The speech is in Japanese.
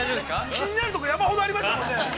◆気になるとこ山ほどありましたもんね。